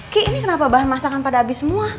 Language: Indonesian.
ki ini kenapa bahan masakan pada habis semua